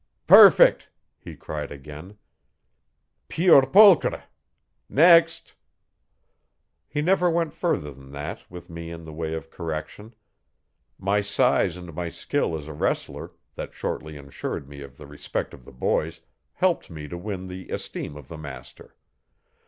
'Perfect!' he cried again. 'Puer pulchre! Next!' He never went further than that with me in the way of correction. My size and my skill as a wrestler, that shortly ensured for me the respect of the boys, helped me to win the esteem of the master.